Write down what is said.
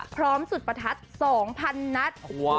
พร้อมสุดประทัด๒๐๐๐นัท